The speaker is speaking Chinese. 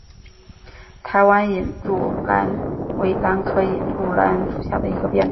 台湾隐柱兰为兰科隐柱兰属下的一个变种。